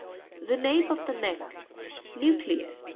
—The nape of the neck, Nvu'crevs.